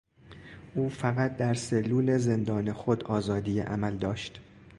او فقط در سلول زندان خود آزادی عمل داشت.